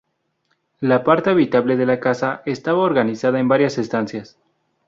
La parte habitable de la casa estaba organizada en varias estancias.